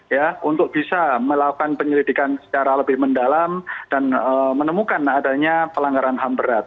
ya untuk bisa melakukan penyelidikan secara lebih mendalam dan menemukan adanya pelanggaran ham berat